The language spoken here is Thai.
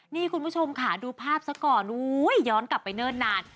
นี่คุณผู้ชมค่ะดูภาพซะก่อนย้อนกลับไปเนิ่นนาน